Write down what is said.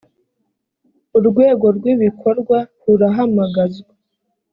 urwego rw ibikorwa rurahamagazwa